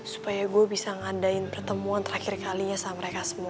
supaya gue bisa ngadain pertemuan terakhir kalinya sama mereka semua